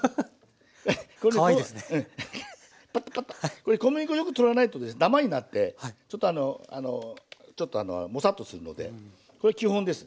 これ小麦粉よく取らないとダマになってちょっとあのあのちょっとモサッとするのでこれ基本です。